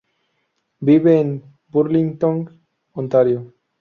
Vive en Burlington, Ontario.